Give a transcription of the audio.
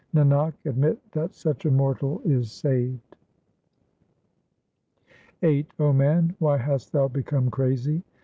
Nanak, admit that such a mortal is saved. VIII O man, why hast thou become crazy ?